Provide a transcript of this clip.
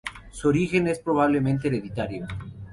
Su origen es probablemente hereditario.